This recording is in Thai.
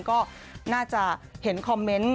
ก็น่าจะเห็นคอมเมนต์